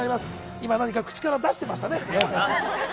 今、何か口から出してましたね？